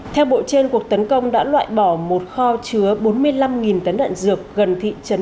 theo bộ trên cuộc tấn công đã loại bỏ một kho chứa bốn mươi năm tấn đạn dược gần thị trấn